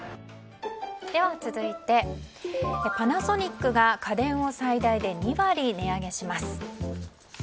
続いて、パナソニックが家電を最大で２割値上げします。